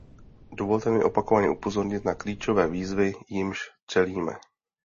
Dovolte mi opakovaně upozornit na klíčové výzvy, jimž čelíme.